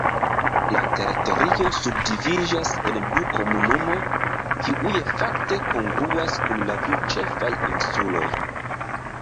La teritorio subdividiĝas en du komunumoj, kiuj fakte kongruas kun la du ĉefaj insuloj.